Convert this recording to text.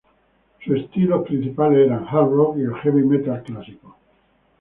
Sus estilos principales eran: Hard rock y el Heavy Metal Clásico.